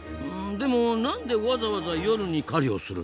でも何でわざわざ夜に狩りをするの？